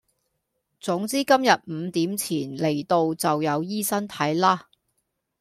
總之今日五點前嚟到就有醫生睇啦